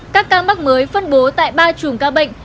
các ca mắc mới phân bố tại ba chùm ca bệnh